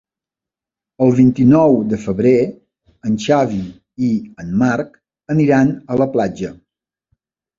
El vint-i-nou de febrer en Xavi i en Marc aniran a la platja.